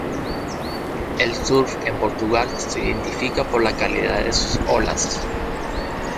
El surf en Portugal se identifica por la calidad de sus olas.